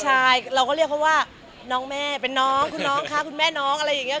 ใช่เราก็เรียกเขาว่าน้องแม่เป็นน้องคุณน้องคะคุณแม่น้องอะไรอย่างนี้